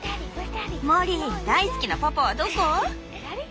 モリー大好きなパパはどこ？